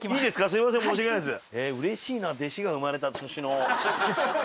すいません申し訳ないです。